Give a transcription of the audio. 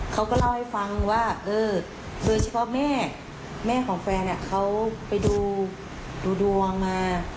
เขาก็เล่าให้ฟังว่าเออโดยเฉพาะแม่แม่ของแฟนเขาไปดูดูดวงมา